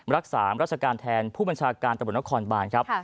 รักษาราชการแทนผู้บัญชาการตำรวจนครบานครับ